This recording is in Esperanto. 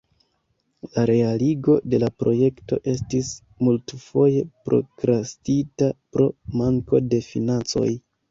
La realigo de la projekto estis multfoje prokrastita pro manko de financoj.